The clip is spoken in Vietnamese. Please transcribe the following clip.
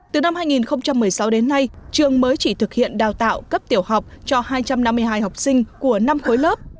từ năm hai nghìn một mươi sáu đến nay trường mới chỉ thực hiện đào tạo cấp tiểu học cho hai trăm năm mươi hai học sinh của năm khối lớp